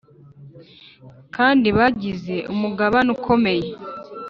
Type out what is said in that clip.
kandi bagize umugabane ukomeye